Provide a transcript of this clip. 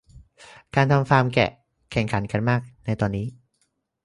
การทำฟาร์มแกะแข่งขันกันมากในตอนนี้